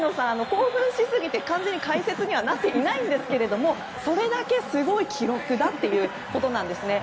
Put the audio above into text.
興奮しすぎて完全に解説にはなってないんですけどもそれだけすごい記録だということですね。